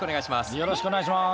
よろしくお願いします。